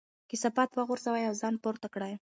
کثافات وغورځوئ او ځان پورته کړئ.